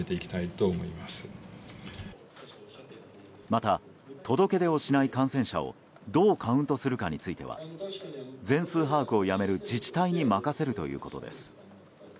また、届け出をしない感染者をどうカウントするかについては全数把握をやめる自治体に任せるということです。